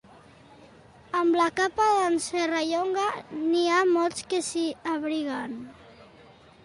Amb la capa d'en Serrallonga n'hi ha molts que s'hi abriguen.